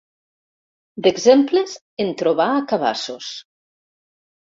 D'exemples, en trobà a cabassos.